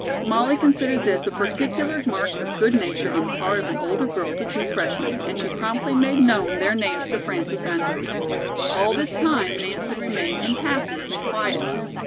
Molly considered this a particular mark of good nature on the part of an older girl to two freshmen, and she promptly made known their names to Frances Andrews. All this time Nance had remained impassive and quiet.